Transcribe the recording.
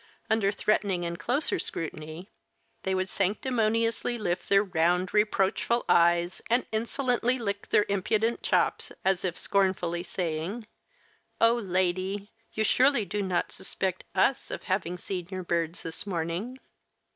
Under threatening and closer scrutiny, they would sanctimoniously lift their round, reproachful eyes and insolently lick their impudent chops as if scornfully saying: "Oh, lady, you surely do not suspect us of having seen your birds this morning?"